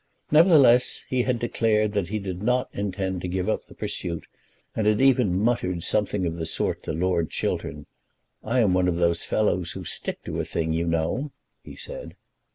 Nevertheless he had declared that he did not intend to give up the pursuit, and had even muttered something of the sort to Lord Chiltern. "I am one of those fellows who stick to a thing, you know," he said.